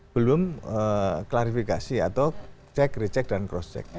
belum klarifikasi atau cek recek dan cross check